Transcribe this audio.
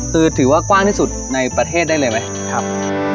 คือถือว่ากว้างที่สุดในประเทศได้เลยไหมครับ